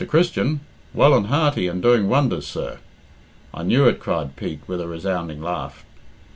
Christian? Well and hearty, and doing wonders, sir." "I knew it," cried Pete, with a resounding laugh.